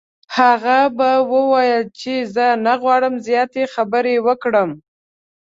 هغه به ویل چې زه نه غواړم زیاتې خبرې وکړم.